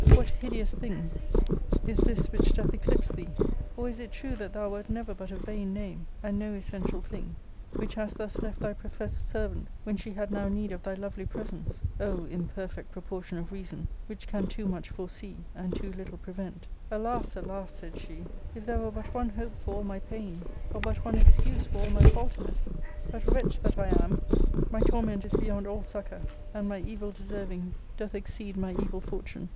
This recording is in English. What hideous thing is this which doth eclipse thee ? Or is it true that thou wert never but a vain name, and no essen tial thing, which hast thus left thy professed servant when she had now need of thy lovely presence ? O imperfect pro portion of reason, which can too much foresee, and too little prevent ? Alas ! alas !" said she, " if there were but one hope for all my pains, or but one excuse for all my faultiness ! But, wretch that I am, my torment is beyond all succour, and my evil deserving doth exceed my evil fortune.